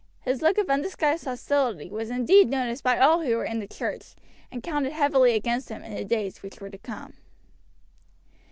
His look of undisguised hostility was indeed noticed by all who were in church, and counted heavily against him in the days which were to come.